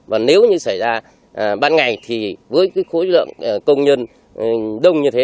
và nếu như xảy ra ban ngày thì với cái khối lượng công nhân đông như thế